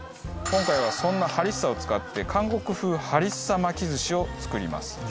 今回はそんなハリッサを使って韓国風ハリッサ巻き寿司を作ります。